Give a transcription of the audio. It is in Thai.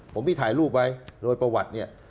ผมมีถ่ายรูปไว้โดยประวัติเนี่ย